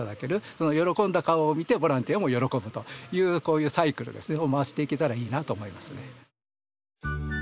その喜んだ顔を見てボランティアも喜ぶというこういうサイクルを回していけたらいいなと思いますね。